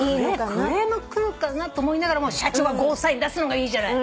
クレームくるかなと思いながらも社長がＧＯサイン出すのがいいじゃない。